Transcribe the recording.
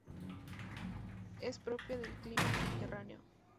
Es propia del clima mediterráneo.